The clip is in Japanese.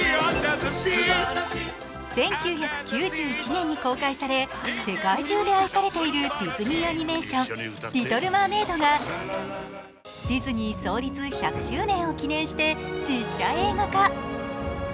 １９９１年に公開され世界中で愛されているディズニーアニメーション「リトル・マーメイド」が、ディズニー創立１００周年を記念して実写映画化。